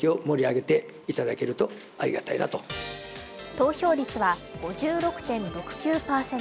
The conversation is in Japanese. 投票率は５６．６９％。